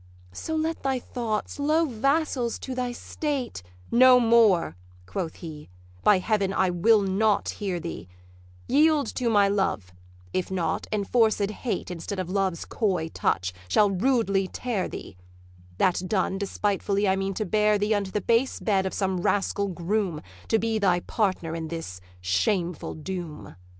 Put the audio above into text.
'So let thy thoughts, low vassals to thy state' 'No more,' quoth he; 'by heaven, I will not hear thee: Yield to my love; if not, enforced hate, Instead of love's coy touch, shall rudely tear thee; That done, despitefully I mean to bear thee Unto the base bed of some rascal groom, To be thy partner in this shameful doom.'